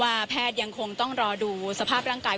แพทย์ยังคงต้องรอดูสภาพร่างกาย